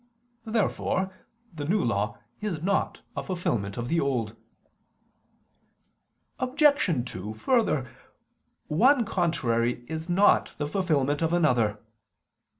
Therefore the New Law is not a fulfilment of the Old. Obj. 2: Further, one contrary is not the fulfilment of another.